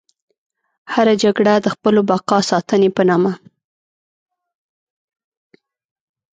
هره جګړه د خپلو بقا ساتنې په نامه.